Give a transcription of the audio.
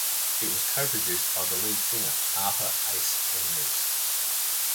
It was co-produced by the lead singer - Arthur 'Ace' Enders.